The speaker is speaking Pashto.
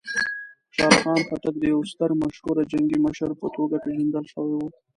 خوشحال خان خټک د یوه ستر مشهوره جنګي مشر په توګه پېژندل شوی و.